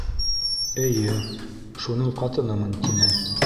Эйе, шуның ҡатынымын тине.